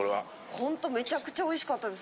ホントめちゃくちゃおいしかったです。